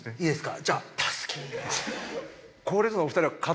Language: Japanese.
いいですか。